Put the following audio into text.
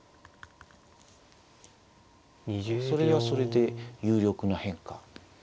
それはそれで有力な変化。